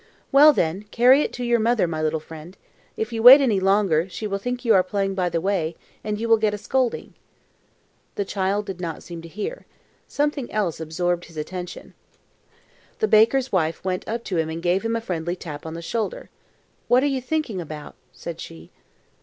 "Well, then, carry it to your mother, my little friend. If you wait any longer, she will think you are playing by the way, and you will get a scolding." The child did not seem to hear. Something else absorbed his attention. The baker's wife went up to him and gave him a friendly tap on the shoulder. "What are you thinking about?" said she.